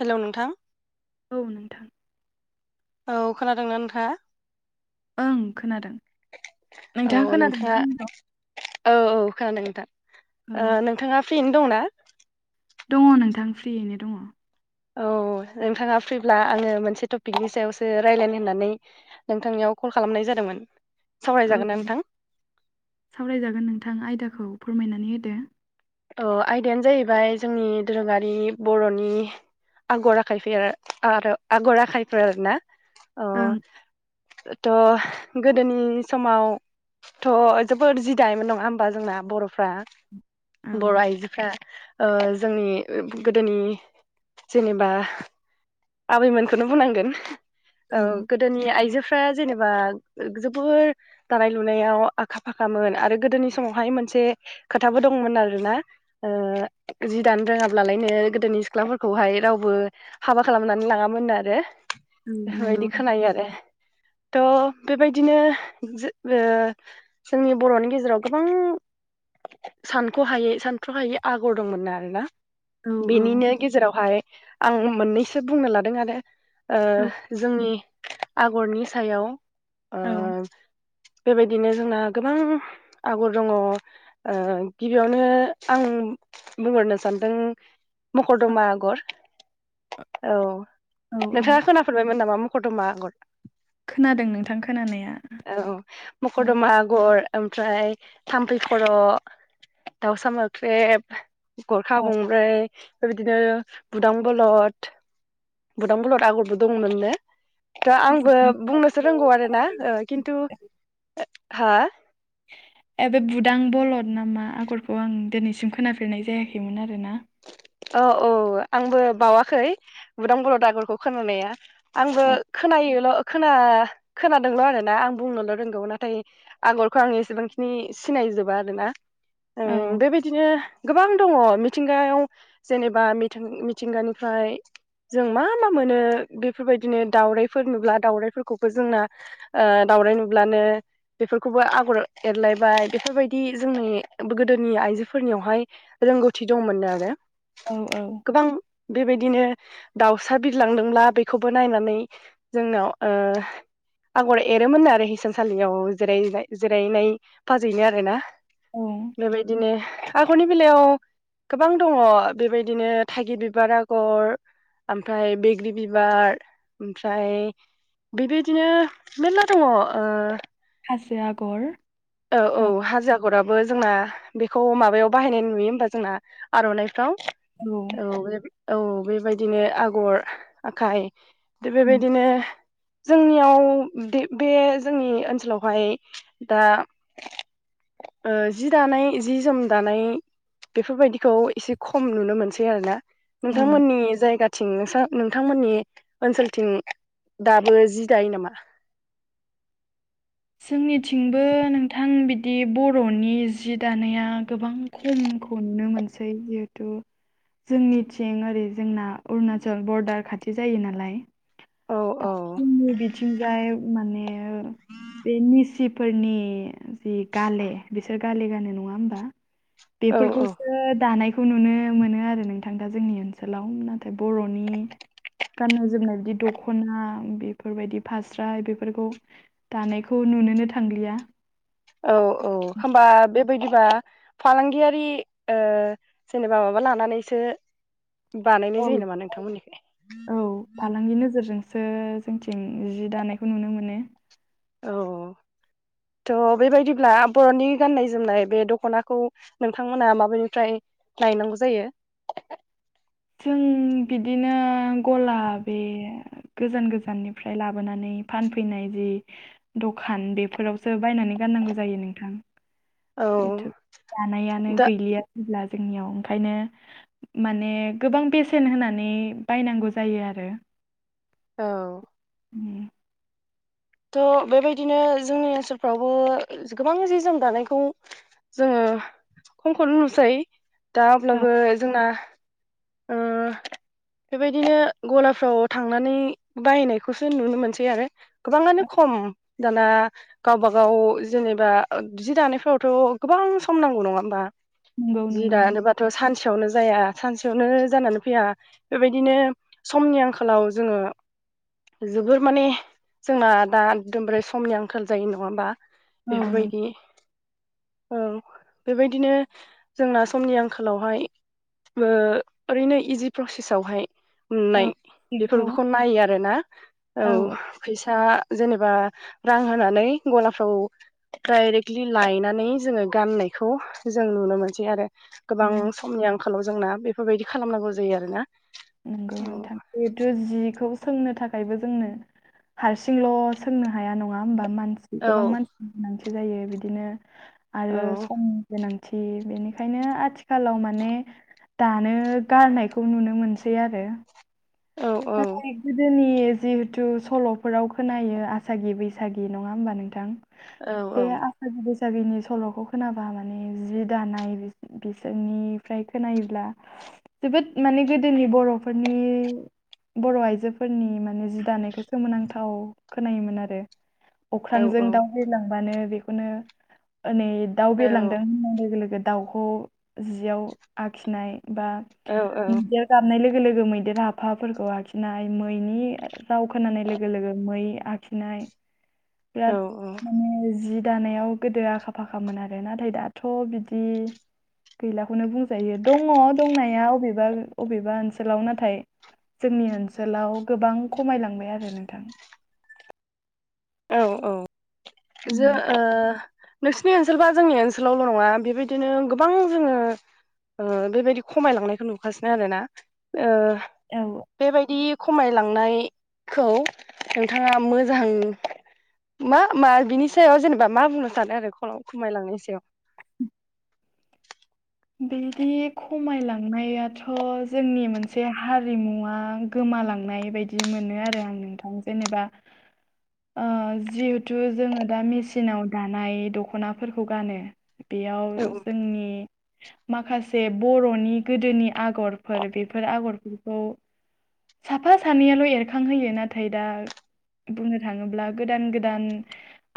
हेल' नोंथां। औ नोंथां। औ खोनादोंना नोंथाङा? ओं खोनादों औ नोंथाङा खोनादोंना नोंथाङा आंनिखौ? औ औ खोनादों औ नोंथां नोंथाङा फ्रियैनो दंना? दङ नोंथां फ्रियैनो दङ। औ नोंथाङा फ्रिब्ला आङो मोनसे टपिकनि सायावसो रायज्लायनो होननानै नोंथांनियाव कल खालामनाय जादोंमोन। सावरायजागोन ना ओं नोंथां? सावरायजागोन नोंथां आयदाखौ फोरमायनानै होदो आयदायानो जाहैबाय जोंनि दोरोङारि बर'नि आगर आखाइ आरो आगर आखाइफोर आरोना? अ ओं थ' गोदोनि समाव थ' जोबोद जिदायोमोन नङा होमबा जोंना बर'फ्रा। औ बर' आइजोफ्रा ओ जोंनि गोदोनि जेनेबा आबैमोनखौनो बुंनांगोन औ गोदोनि आइजो फ्रा जेनेबा जोबोर दानाय लुनायाव आखा फाखामोन आरो गोदोनि समावहाय मोनसे खोथाबो दंमोन आरोना ओ जि दानो रोङाब्लालायनो गोदोनि सिख्लाफोरखौहाय रावबो हाबा खालामनानै लाङामोन आरो औ नंगौ बेफोरबायदि खोनायो आरो थ' बेबायदिनो जो ओ जोंनि बर'नि गेजेराव गोबां सानख'हायै सानथ'हायै आगर दंमोन आरोना औ बेनिनो गेजेरावहाय आं मोननैसो बुंनो लादों आरो ओ औ जोंनि आगरनि सायाव ओ औ बेबायदिनो जोंना गोबां आगर दङ ओ गिबियावनो आं बुंहरनो सानदों मकरदमा आगर औ औ औ नोंथाङा खोनाफेरबायमोन नामा मख'र दमा आगर खोनादों नोंथां खोनानाया ओ औ औ मकरदमा आगर ओमफ्राय थाम्फै खर' दाउसा मोख्रेब गरखा औ गंब्रै बिदिनो बुदां बलद बुदां बलद आगरबो दंमोन नो थ' आंबो बुंनोसो रोंगौ आरो ना खिन्थु हा ए बे बुदां बलद नामा आगरखौ आं दिनैसिम खोनाफेरनाय जायाखैमोन आरो ना औ औ आंबो बावाखै बुदां बलद आगरखौ खोनानाया आंबो औ खोनायोल' खोना खोनादोंल' आरो ना आं बुंनोल' रोंगौ नाथाय आगरखौ आङो एसेबांखिनि सिनायजोबा आरोना औ ओं बेबायदिनो गोबां दङ मिथिंगायाव जेनेबा मिथिंगानिफ्राय जों मा मा मोनो बेफोरबायदिनो दाउराइफोर नुब्ला दाउरायफोरखौबो जोंना ओ दाउराय नुब्लानो बेफोरखौबो आगर एरलायबाय बेफोरबायदि जोंनि गोदोनि आइजोफोरनियावहाय रोंगौथि दंमोननो आरो औ औ। गोबां बेबायदिनो दाउसा बिरलांदोंला बेखौबो नायनानै जोंनाव ओ आगर एरोमोन आरो हिसानसालियाव जिरायनाय जिरायनाय फाजैनो आरो ना। औ बेबायदिनो आगरनि बेलायाव गोबां दङ बेबायदिनो थायगिर बिबार आगर ओमफ्राय बैग्रि बिबार ओमफ्राय बेबायदिनो मेर्ला दङ ओ हाजो आगर औ औ हाजो आगराबो जोंना बेखौ माबायाव बाहायनाय नुयो होमबा जोंना आर'नाय फोराव औ औ। औ बेबायदिनो आगर आखाय थ उम बेबायदिनो जोंनियाव दे बे जोंनि ओनसोलावहाय दा ओ जि दानाय जि जोम दानाय बेफोरबायदिखौ एसे खम नुनो मोनसै आरोना औ नोंथांमोननि जायगा थिं नोंथांमोननि ओनसोलथिं दाबो जि दायो नामा? जोंनिथिंबो नोंथां बिदि बर'नि जि दानाया गोबां खमखौ नुनो मोनसै जिहेथु जोंनिथिं ओरै जोंना अरुणाचल बरदार खाथि जायो नालाय औ दा औ जोंनि बिथिंजाय माने बे निसिप फोरनि जि गाले बिसोर गाले गानो नङा होमबा। औ बेफोरखौसो दानाय खौ नुनो मोनो आरो नोंथां दा जोंनि ओनसोलाव नाथाय बर'नि गान्नाय जोमनाय बिदि द द ख'ना बेफोरबायदि फास्रा बेफोरखौ दानायखौ नुनोनो थांलिया। औ औ होनबा बेबायदिबा फालांगियारि ओ जेनेबा माबा लानानैसो बानायनाय औ जायो नामा नोंथांमोननिखै? औ फालांगि नोजोरजोंसो जोंथिं जि दानायखौ नुनो मोनो औ थ' बेबायदिब्ला बर'नि गाननाय जोमनाय बे दख'नाखौ नोंथांमोना माबनिफ्राय नायनांगौ जायो जों बिदिनो गला बे गोजान गोजाननिफ्राय लाबोनानै फानफैनाय जि दखान बेफोरावसो बायनानै गाननांगौ जायो नोंथां। औ थ दानायानो दा गैलिया जेब्ला जोंनियाव ओंखायनो माने गोबां बेसेन होनानै बायनांगौ जायो आरो औ [inaudible] थ बेबायदिनो जोंनि ओनसोलफ्रावबो गोबां जि जोम दानायखौ जोङो खमखौनो नुसायो दा औ अब्लाबो जोंना ओ बेबायदिनो गलाफ्राव थांनानै बायनायखौसो नुनो मोनसै आरो गोबाङानो औ खम दाना गावबा गाव जेनेबा जि दानायफोरावथ' गोबां सम नांगौ नङा होमबा? नंगौ जि नंगौ दानोबाथ' सानसेयावनो जाया सान [unintelligible] जानानै फैया बेबायदिनो समनि आंखालाव जोङो जोबोर माने जोंना दा एकदमबारे समनि आंखाल जायो नङा होमबा? औ नों बेफोरबायदि औ बेबायदिनो जोंना समनि आंखालावहाय ओरैनो इजि प्रसेसआवहाय नुनाय औ जिखौ बेफोरखौ नायो आरोना औ फैसा जेनेबा रां होनानै गलाफ्राव दडायरेक्टलि लायनानै जोङो गाननायखौ जों नुनो मोनसै आरो गोबां औ समनि आंखालाव जोंना बेफोरबायदि खालामनांगौ जायो आरो ना नंगौ नोंथां जिहेथु जिखौ सोंनो थाखायबो जोंनो हारसिंल' सोंनो हाया नङा होमबा मान औ गोबां मानसि गोनांथि जायो बिदिनो औ आरो सम गोनांथि बेनिखायनो आथिखालाव माने दानो गारनायखौ नुनो मोन सै आरो औ नाथाय गोदोनि जिहेथु सल'फोराव खोनायो आसागि बैसागि नङा होमबा नोंथां बे आ औ साखि बैसागुनि सल'खौ खोनाबा माने जि दानाय बि बिसोरनिफ्राय खोनायोब्ला जोबोद माने गोदोनि बर'फोरनि बर' आइजोफोरनि माने जि दानायखौ सोमोनांथाव खोनायोमोन आरो औ अख्रांजों औ दाउ होलांबानो बेखौनो हनै दाउ औ बेरलांदों होननाय लोगो लोगो दावखौ जियाव आखिनाय बा औ [unintelligible] जाबनाय लोगो लोगो मैदेर हाफाफ फोरखौ आखिनाय मैनि जाव खोनानाय लोगो लोगो मै आखिनाय औ बिराद माने जि दानायाव गोदो आखा फाखामोन आरो नाथाय दाथ' बिदि गैलाखौनो बुंजायो दङ दंनाया अबेबा अबेबा ओनसोलाव नाथाय जोंनि ओनसोलाव गोबां खमायलांबाय आरो नोंथां औ औ जो उम, ओ नोंसिनि बा जोंनि ओनसोलावल' नङा बेबायदिनो गोबां जोङो बेबायदि खमायलांनायखौ नुगासिनो आरोना ओ- औऔ बेबायदि खमायलांनायखौ नोंथाङा मोजां मा -मा बिनि सायाव जेनेबा मा बुंनो सानो आरो खल खमायलांनायनि सायाव बिदि खमायलांनायाथ' जोंनि मोनसे हारिमुवा गोमालांनाय बायदि मोनो आरो आं नोंथां जेनेबा [inaudible] जिहेथु जोङो दा मेसिनाव दानाय दखनाफोरखौ गानो बेयाव औ जोंनि माखासे बर'नि गोदोनि आगरफोर बेफोर आगरफोरखौ साफा सानैयाल' एरखांहोयो नाथाय दा बुंनो थाङोब्ला गोदान- गोदान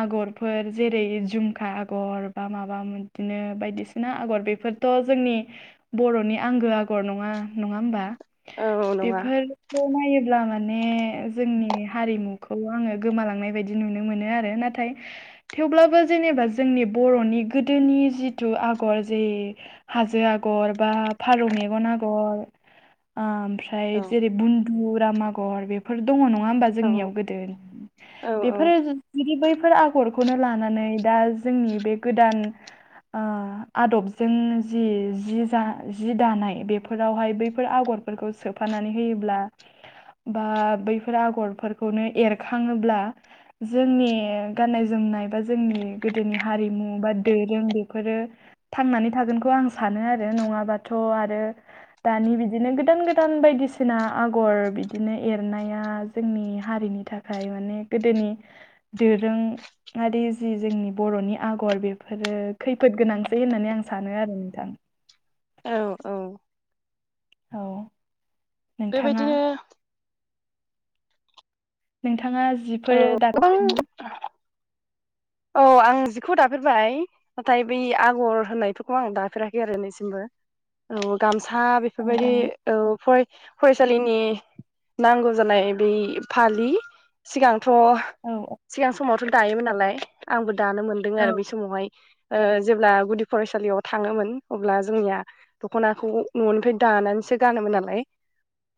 आगरफोर जेरै, जझुमखा आगर बा माबा बिदिनो बायदिसिना आगर बेफोर बेफोरथ' जोंनि बर'नि आंगो आगर नङा -नङा होमबा औ नङा बेफोर नायोब्ला माने जोंनि हारिमुखौ आङो गोमालांनाय बायदि नुनो मोनो। आरो ना नाथाय थेवब्लाबो जेनेबा जोंनि बर'नि गोदोनि जिथु आगर जे हाजो आगर बा फारौ मेगन ओमफ्राय ओमफ्राय औ जेरै बुन्दु राम आगर बेफोर दङ नङा होनबा। औ जोंनियाव गोदो औ बेफोरो जुदि बैफोर आगरखौनो लानानै दा जोंनि बे गोदान आ आदब जोंनो जे जि दानाय बेफोरावहाय बैफोर आगरफोरखौ सोफानानै होयोब्ला बा बैफोर आगरफोरखौनो एरखाङोब्ला- जोंनि गाननाय जोमनाय बा जोंनि गोदोनि हारिमु बा दोरों बेफोरो थांनानै थागोनखौ आं सानो। आरो नङाबाथ' आरो दानि बिदिनो गोदान गोदान बायदिसिना आगर बिदिनो एरनाया जोंनि हारिनि थाखाय खाय माने गोदोनि- दोरोआारि जि जोंनि बर'नि आगर बेफोरो खैफोद गोनां- है होननानै आं सानो आरो नोंथां। औ औ औ नोंथाङा बेबायदिनो नोंथाङा औ जिफोरो गोबां दाफेरदों ना? औ आं जिखौ दाफेरबाय। नाथाय बै आगर होननायफोरखौ आं दाफेराखै आरो दिनै सिमबो। औ गामसा औ औ बेफोरबायदि औ फरायसालिनि- नांगौ जानाय बै फालि। सिगांथ' औ औ सिगां समावथ' दायोमोन नालाय। आंबो दानो मोनदों औ आरो बै समावहाय। ओ जेब्ला गुदि फरायसालियाव थाङोमोन अब्ला जोंनिया दख'नाखौ न'निफ्राय दानानैसो गानोमोन नालाय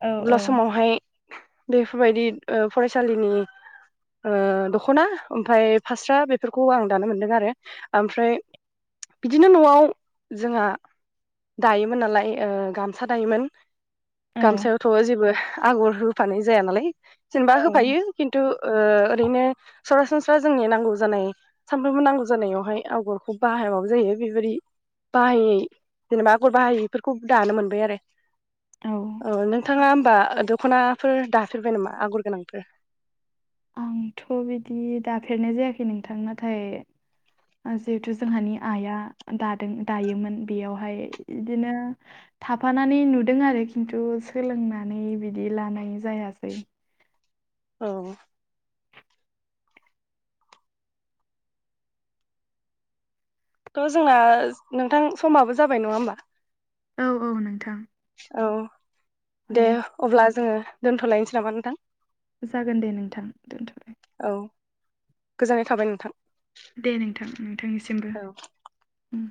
औ समावहाय बेफोरबायदि फरायसालिनि ओ दख'ना ओमफ्राय फास्रा बेफोरखौ आं दानो मोनदों आरो ओमफ्राय बिदिनो न'आव जोंहा दायोमोन नालाय गामसा दायोमोन। औ गामसायावथ' जेबो आगर होफानाय जाया नालाय। जेनेबा औ होफायो खिन्थु ओरैनो सरासनस्रा जोंनि नांगौ जानाय सानफ्रोमबो नांगौ जानायावहाय आगरखौ बाहायाबाबो जायो बेबायदि- बाहायै जेनेबा आगर बाहायैफोरखौ दानो मोनबाय आरो औ नोंथाङा होमबा दख'नाफोर दाफेरबाय नामा आगर गोनांफोर? आंथ' बिदि दाफेरनाय जायाखै नोंथां नाथाय जिहेथु जोंहानि आइआ दादों दायोमोन बेयावहाय बिदिनो थाफानानै नुदों आरो खिन्थु सोलोंनानै बिदि लानाय जायासै औ थ' जोंना नोंथां समाबो जाबाय नङा होमबा औ औ नोंथां औ दे औ अब्ला जोङो दोनथ'लायनोसै नामा नोंथां? जागोन दे नोंथां दोनथ'बाय औ गोजोननाय थाबाय नोंथां। दे नोंथां नोंथांनिसिमबो। औ उम